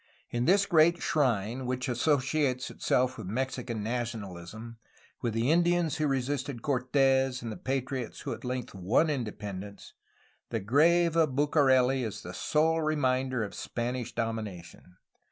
In this great shrine, which associates itself with Mexican nationalism, — with the Indians who resisted Cortes and the patriots who at length won independence, — the grave of Bucareli is the sole reminder of Spanish domination.